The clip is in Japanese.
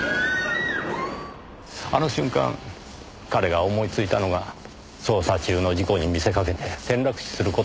あの瞬間彼が思いついたのが捜査中の事故に見せかけて転落死する事だったのでしょう。